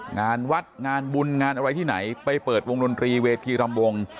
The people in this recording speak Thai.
งานวัดงานบุญงานอะไรที่ไหนไปเปิดวงดนตรีเวทีรำวง